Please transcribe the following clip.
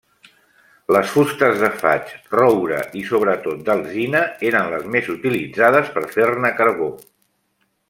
Les fustes de faig, roure i, sobretot, d'alzina, eren les més utilitzades per fer-ne carbó.